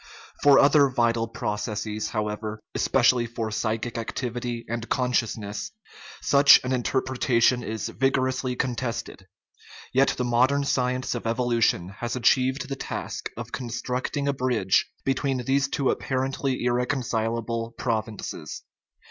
For other vital processes, however, especially for psychic activity and consciousness, such an interpretation is vigorously contested. Yet the modern science of evolution has achieved the task of constructing a bridge between these two apparently irreconcilable provinces.